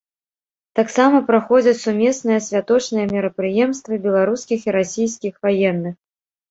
Таксама праходзяць сумесныя святочныя мерапрыемствы беларускіх і расійскіх ваенных.